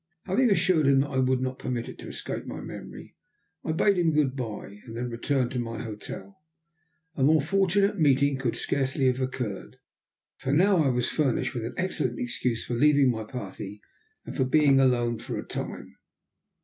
Having assured him that I would not permit it to escape my memory, I bade him "good bye," and then returned to my hotel. A more fortunate meeting could scarcely have occurred, for now I was furnished with an excellent excuse for leaving my party, and for being alone for a time.